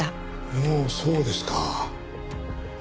ほうそうですか。